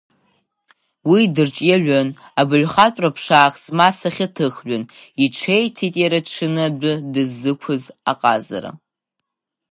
Уи дырҿиаҩын, абаҩхатәра ԥшаах змаз сахьаҭыхҩын, иҽеиҭеит, иара дшаны адәы дыззықәыз аҟазара.